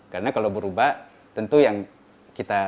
karena kalau berubah tentu yang kita